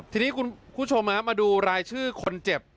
ทีนี้คุณผู้ชมมาดูรายชื่อคนเจ็บ